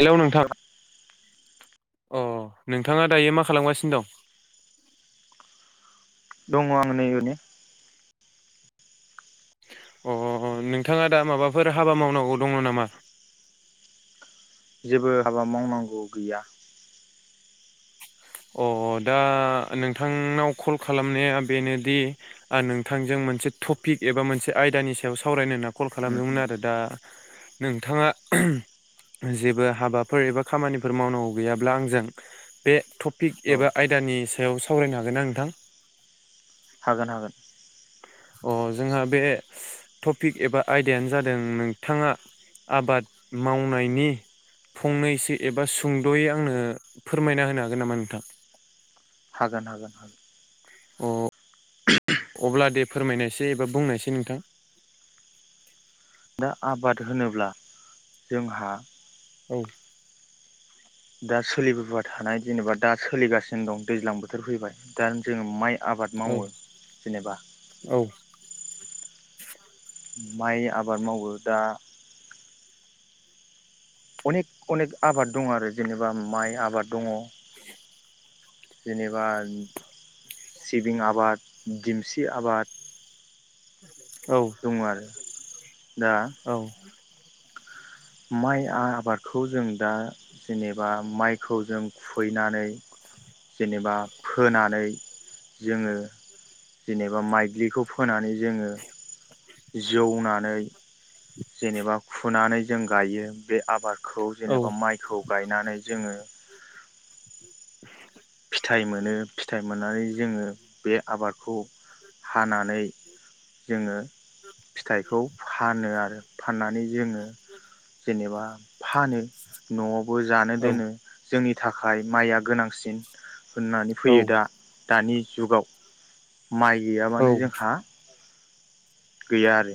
Hello नोंथां अ नोंथाङा दायो मा खालामगासिनो दं दङ आं नै ओरैनो अ नोंथाङा दा माबाफोर हाबा मावनांगौ दङ नामा? जेबो हाबा मावनांगौ गैया अ दा नोंथांनाव कल खालामनाया बेनोदि नोंथांजों मोनसे टपिक एबा मोनसे आयदानि सायाव सावरायनो होनना कल उम खालामदोंमोन उम आरो दा नोंथाङा जेबो हाबाफोर एबा खामानिफोर मावनांगौ गैयाब्ला आंजों बे थप पिक औ एबा आयदानि सायाव सावरायनो हागोन आ नोंथां? हागोन हागोन अ जोंहा बे टपिक एबा आयदायानो जादों नोंथाङा आबाद मावनायनि फंनैसो एबा सुंद'यै आंनो फोरमायना होनो हागोन नामा नों थां हागोन हागोन हागोन अब्ला दे फोरमायनायसै एबा बुंनायसै नोंथां दा आबाद होनोब्ला जोंहा औ दा सोलिबोबाय थानाय जेनेबा दा सोलिगासिनो दं दैज्लां बोथोर फैबाय दा जोङो माइ आबाद औ मावो जेनेबा औ माइ आबाद मावो दा अनेक अनेक आबाद दङ आरो जेनेबा माइ आबाद दङ जेनेबा सिबिं आबाद दिमसि आबाद दङ आरो दा औ माइ आबादखौ जों दा जेनेबा माइखौ जों खुबैनानै [inaudible] एबा फोनानै जोङो जेनेबा माइग्लिखौ फोनानै जोङो जौनानै जेनेबा खुनानै जों गायो बे आबाद खौ जेनेबा माइखौ गायनानै जोङो। फिथाइ मोनो फिथाइ मोननानै जोङो बे आबादखौ हानानै जोङो फिथाइखौ फानो आरो फाननानै जोङो जेनेबा फानो न'आवबो जानो औ दोनो। जोंनि थाखाय माइया गोनांसिन होननानै औ फैयो दा दानि जुगाव माइ औ गैयाबानो जोंहा गैया आरो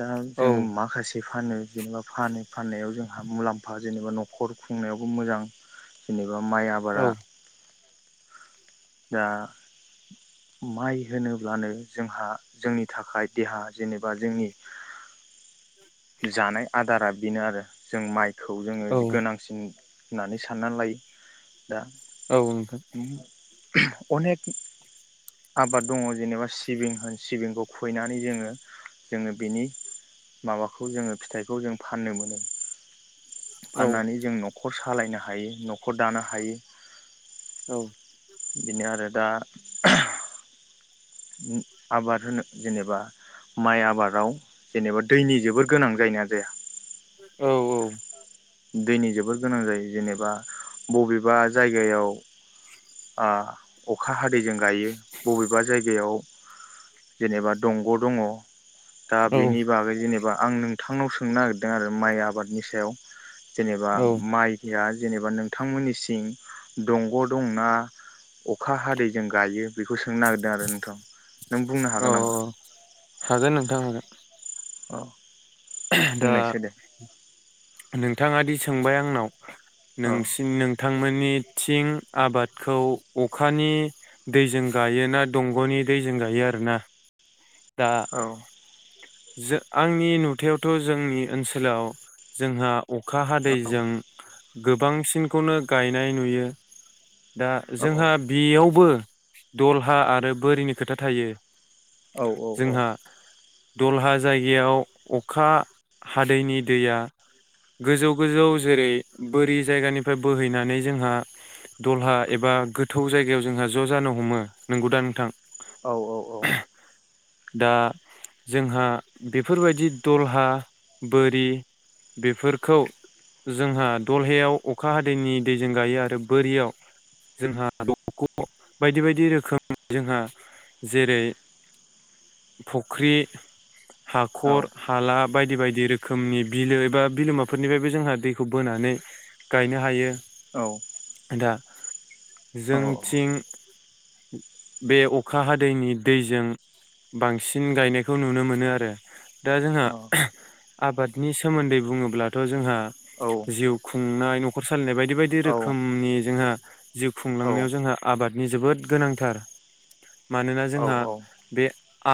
दा औ जोङो माखासे फानो जेनेबा फानो फाननायाव जोंहा मुलाम्फा जेनेबा न'खर खुंनायावबो मोजां जेनेबा एबा माइ औ आबारा दा माइ होनोब्लानो जोंहा जोंनि थाखाय देहा जेनेबा जोंनि जानाय आदारा बेनो आरो जों माइ खौ जोङो औ गोनांसिन होननानै सानना लायो दा औ नोंथां अनेख आबाद दङ जेनेबा सिबिं होन सिबिंखौ खुबैनानै जोङो जोङो बेनि माबा बेखौ जोङो फिथाइखौ जों फाननो मोनो औ फाननानै जों न'खर स सालायनो हायो न'खर दानो हायो औ बिनो आरोदा आबाद होनो जेनेबा माइ आबादाव जेनेबा दैनि जोबोर गोनां जायोना जाया औ औ दैनि जोबोद गोनां जायो जेनेबा बबेबा जायगायाव [inaudible] अखा हा दैजों गायो बबेबा जायगायाव जेनेबा दंग' दङ दा औ बेनि बागै जेनेबा आं नोंथांनाव सोंनो नागिरदों आरो माइ आबादनि सायाव [inaudible] जेनेबा औ माइ या जेनेबा नोंथांमोननि सिं दंग' दंना अखा हादैजों गायो बेखौ सोंनो नागिरदों आरो नोंथां नों बुंनो हागोन नामा थां हागोन औ दा बुंनायसै दे नों थाङा दि सोंबाय आंनाव औ नोंसि नोंथांमोननि थिं आबादखौ अखानि दैजों गायो ना दंग'नि दैजों गायो आरोना दा औ जो आंनि नुथायावथ' जोंनि ओनसोलाव जोंहा अखा औ हादैजों गोबांसिनखौनो गायनाय नुयो दा औ जोंहा बेयावबो दलहा आरो बोरिनि खोथा थायो औ औ औ जोंहा दलहा जायगायाव अखा हादैनि दैया गोजौ गोजौ जेरै बोरि जायगानिफ्राय बोहैनानै जोंहा दलहा एबा गोथौ जायगायाव जोंहा ज' जानो हमो नंगौदा नोंथां औ औ औ दा जोंहा बेफोरबायदि दलहा बोरि बेफोरखौ जोंहा दलहायाव अखा हादैनि दैजों गायो आरो बोरियाव जोंहा दंग बायदि बायदि रोखोम जोंहा जेरै फुख्रि [inaudible] हाखर हालाब बायदि बायदि रोखोमनि बिलो एबा बिलोमाफोरनिफायबो जोंहा दैखौ बोनानै गायनो हायो। औ दा जोंथिं बे अखा हादैनि दैजों बांसिन गायनाय खौ नुनो मोनो आरो दा जोंहा आबादनि सोमोन्दै बुङोब्लाथ' जोंहा जिउ खुंनाय न'खर सालायनाय बायदि दि बायदि रोखोमनि जोंहा [inaudible] जिउ खुंलांनायाव जोंहा आबाद नि जोबोद गोनांथार। मानोना जोंहा बे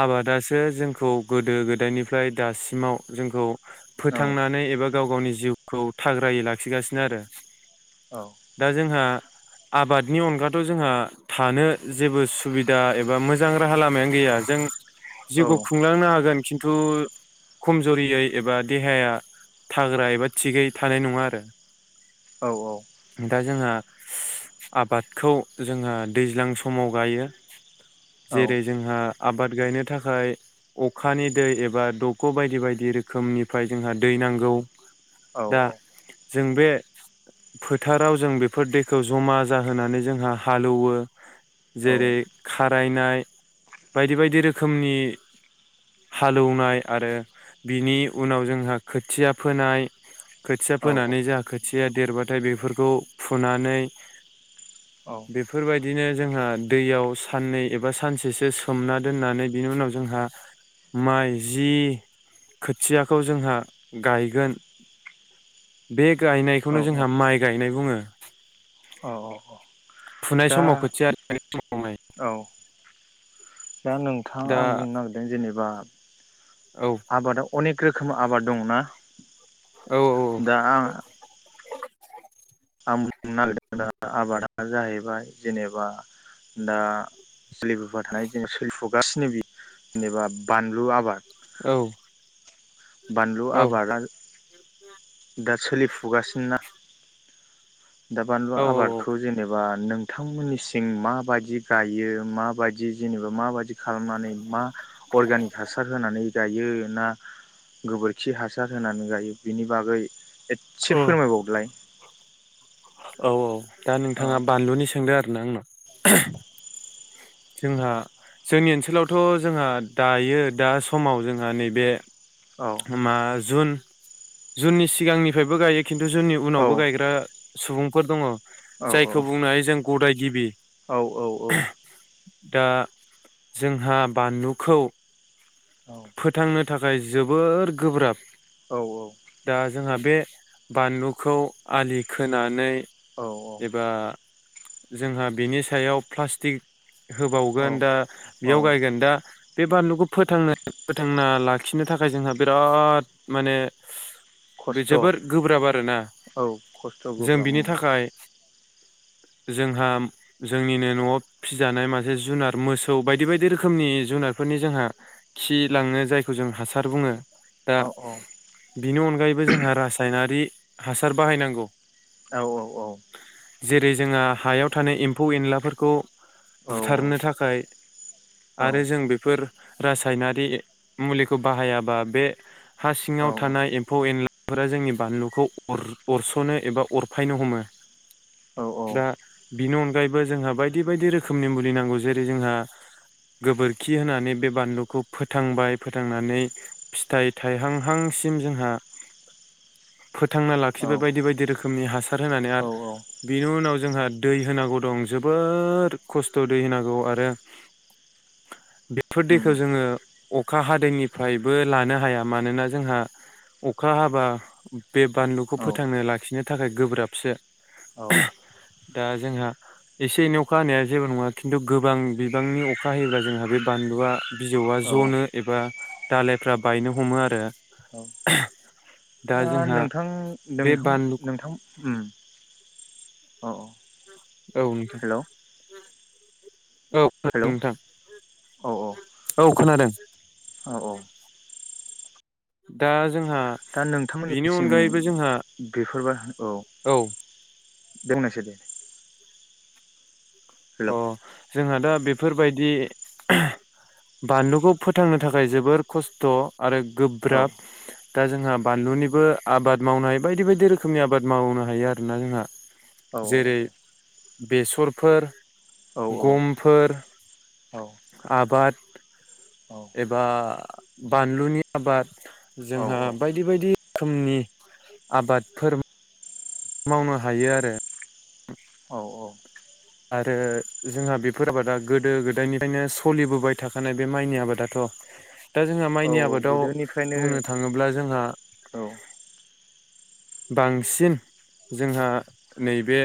आबादा सो जोंखौ गोदो गोदायनिफ्राय दासिमाव जोंखौ फोथांनानै एबा गाव गावनि जिउखौ थाग्रायै लाखिगासिनो आरो। औ दा जोंहा आबादनि अनगाथ' जोंहा थानो जेबो सुबिदा एबा मोजां राहा लामायानो गैया जों जिउखौ खुंलांनो हागोन खिन्थु खमज'रियै एबा देहाया थाग्रा एबा थिगै थानाय नङा आरो दा जोंहा आबादखौ जोंहा दैज्लां समाव गायो। जेरै जोंहा आबाद गायनो थाखा फ्राय अखानि दै एबा दग' बायदि बायदि रोखोमनिफ्राय जोंहा दै नांगौ। औ दा औ। जों बे फोथाराव जों बेफोर दैखौ जमा जाहोनानै जोंहा हालौवो जेरै खारायनाय बायदि बायदि रोखो खोमनि हालौनाय आरो बिनि उनाव जोंहा खोथिया फोनाय खोथिया फोनानै जा खो थिया देरबाथाय बेफोरखौ फुनानै बेफोरबायदिनो जोंहा दैयाव साननै एबा सानसेसो सोमना दोननानै बिनि उनाव जोंहा माइ जि खोथियाखौ जोंहा गायगोन बे गायनायखौनो जोंहा माइ गायनाय बुङो। औ औ औ फुनाय दा समाव खोथिया मावनाय औ। दा नोंथां दा आं बुंनो नागोरदों जेनेबा औ आबादा अनेक रोखोम आबाद दं ना? औ दा आ आं बुंनो नागिरदों दा आबादा जाहैबाय जेनेबा दा सोलिबोबाय थानाय जोंङो सोलिफुगासिनो जेनेबा बानलु आबाद। औ बानलु औ आबादा दा सोलिफुगासिनो ना। दा बानलु औ आबादखौ जेनेबा नोंथांमोननि सिं माबायदि गायो माबायदि जेनेबा माबायदि खालामनानै मा अर्गेनिक हासार होनानै गायो ना गोबोरखि हासार होनानै गायो बिनि बागै औ एसे फोरमायबावलाय औ औ दा औ नोंथाङा बानलुनि सोंदों आरो ना आंनाव जोंहा जोंनि ओनसोलावथ' जोंहा दायो दा समाव जोंहा नैबे औ मा जुन जुननि सिगांनिफ्रायबो गायो खिन्थु जुननि औ उनावबो गायग्रा सुबुंफोर दङ औ जायखौ बुंनो हायो जों गदाय गिबि औ औ औ दा जोंहा बानलुखौ औ फोथांनो थाखाय जोबोर गोब्राब दा जोंहा बे बानलुखौ आलि खोनानै औ एबा जोंहा बिनि सायाव प्लास्टिक औ होबावगोन दा बेयाव औ गायगोन दा बे बानलुखौ फोथांनो फोथांना लाखिनो थाखाय जोंहा बिराद माने बे खस्थ' जोबोर औ गोब्राब आरोना खस्थ' जों गोब्राब बिनि उम थाखाय जोंहा जोंनिनो न'आव फिजानाय मासे जुनार मोसौ बायदि बायदि रोखोमनि जुनारफोरनि जोंहा खि लाङो जायखौ जों हासार बुङो दा औ औ बिनि अनगायैबो जोंहा रासायनारि हासार बाहायनांगौ औ औ जेरै जोंहा हायाव थानाय एम्फौ एनलाफोरखौ औ बुथारनो थाखाय औ आरो जों बेफोर रास हायनारि मुलिखौ बाहायजाग्रा बे हा सिङाव थानाय एमफौ एनलाफोरा जोंनि बानलुखौ अर-अरसनो एबा अरफायनो हमो औ दा बिनि अनगायैबो जोंहा बायदि बायदि रोखोमनि मुलि नांगौ जेरै जोंहा गोबोरखि होनानै बे बानलु खौ फोथांबाय फोथांनानै फिथाइ थाइहांहांसिम जोंहा फोथांना लाखिबाय औ बायदि बायदि रोखोमनि हासार होनानै आरो औ औ बेनि उनाव जोंहा दै होनांगौ दं जोबोर खस्थ' दै होनांगौ आरो बेफोर दै खौ उम जोङो अखा हादैनिफ्रायबो लानो हाया मानोना जोंहा अखा हाबा बे बानलुखौ औ फोथांनो लाखिनो थाखाय गोब्राबसो औ दा जोंहा एसे एनै अखा हानाया जेबो नङा खिन्थु गोबां बिबांनि अखा हायोब्ला जोंहा बे बानलुआ बिजौआ औ जनो एबा दालायफ्रा बायनो हमो आरो औ दा नोंथां बे नोंथां बानलु नोंथां उम अ अ औ नोंथां [inaudible] औ हेलौ नोंथां औ औ औ खोनादों औ औ दा जोंहा दा बेनि नोंथांमोननिसिम अनगायैबो जोंहा बेफोरबा औ दोंनोसै दे हेलौ अह जोंहा दा बेफोरबायदि बानलुखौ फोथांनो थाखाय जोबोर खस्थ' आरो औ गोब्राब दा जोंहा बानलुनिबो आबाद मावनो हायो बायदि बायदि रोखोमनि आबाद मावनो हायो आरोना जोंहा औ जेरै बेसरफोर औ गमफोर औ आबाद औ एबा बानलुनि आबाद जोंहा बायदि बायदि रोखोमनि आबादफोर मावनो हायो आरो औ [inaudible] आरो जोंहा बेफोर आबादा गोदो गोदायनिफ्रायनो सलिबोबाय थाखानाय बे माइनि आबादाथ' दा जोंहा औ माइनि आबाद आबादाव गोदोनिफ्रायनो बुंनो थाङोब्ला जोंहा [inaudible] औ बांसिन जोंहा नैबे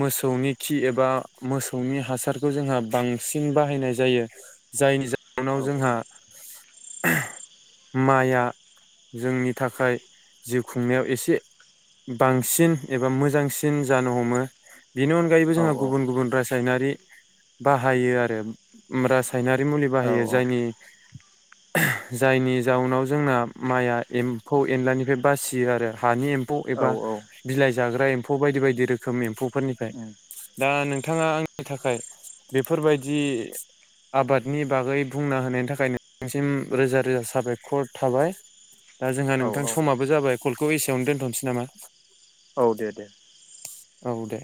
मोसौनि खि एबा मोसौनि हासारखौ जोंहा बांसिन बाहायनाय जायो जायनि जाहनाव औ जोंहा माइआ जोंनि थाखाय जिउ खुंनायाव एसे बांसिन एबा मोजांसिन जानो हमो बेनि अनगायैबो औ जोंहा गुबुन गुबुन रासायनारि बाहायो आरो रासायनारि मुलि औ बाहायो जायनि जायनि जाउनाव जोंना माइया एम्फौ एनलानिफ्राय बासियो आरो हानि ए एमफौ औ एबा बिलाइ जाग्रा एम्फौ बायदि बायदि रोखोम एम्फौफोरनिफ्राय दा नोंथाङा आंनि थाखाय बेफोरबायदि आबादनि बागै बुंना होनायनि थाखाय नोंथांसिम रोजा रोजा साबायखर थाबाय। दा जोंहा औ नोंथां औ समाबो जाबाय कलखौ एसेयावनो दोनथ'नोसै। नामा औ दे दे औ दे